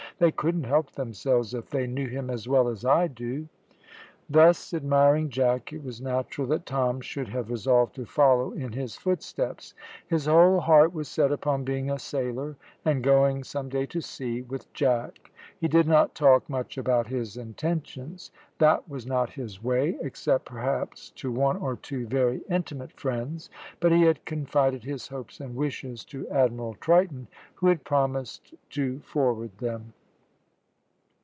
They couldn't help themselves if they knew him as well as I do." Thus admiring Jack, it was natural that Tom should have resolved to follow in his footsteps. His whole heart was set upon being a sailor, and going some day to sea with Jack. He did not talk much about his intentions; that was not his way, except, perhaps, to one or two very intimate friends; but he had confided his hopes and wishes to Admiral Triton, who had promised to forward them.